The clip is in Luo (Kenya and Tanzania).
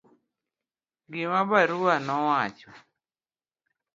gima barua nowacho